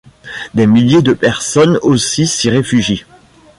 Des milliers de personnes aussi s'y réfugient.